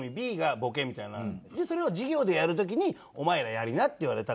それを授業でやる時にお前らやりなって言われたから。